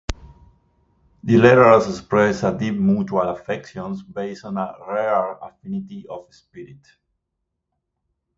The letters express a deep mutual affection based on a rare affinity of spirit.